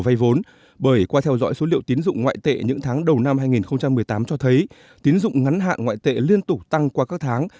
vay vốn bởi qua theo dõi số liệu tín dụng ngoại tệ những tháng đầu năm hai nghìn một mươi tám cho thấy tín dụng ngắn hạn ngoại tệ liên tục tăng qua các tháng